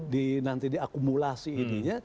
di nanti diakumulasi ini ya